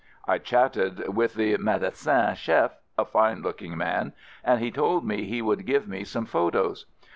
I chatted with the "medecin chef "— a fine looking man — and he told me he would give me some photos.